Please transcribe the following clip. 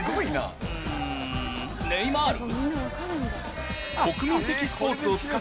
うんネイマール？